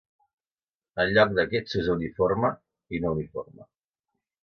En lloc d'aquests s'usa uniforme i no uniforme.